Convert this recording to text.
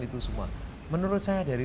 itu semua menurut saya dari